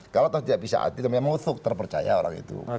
kalau tidak bisa adil maksudnya musuh terpercaya orang itu